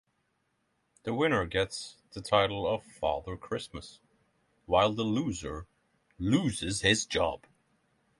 The winner gets the title of "Father Christmas" while the loser loses his job.